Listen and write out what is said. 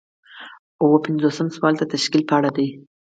اووه پنځوسم سوال د تشکیل په اړه دی.